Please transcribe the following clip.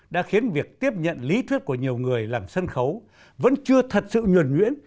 đã khiến việc tiếp nhận lý thuyết của nhiều người làm sân khấu vẫn chưa thật sự nhuẩn nhuyễn